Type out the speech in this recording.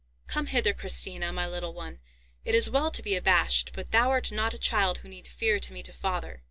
Come hither, Christina, my little one; it is well to be abashed, but thou art not a child who need fear to meet a father."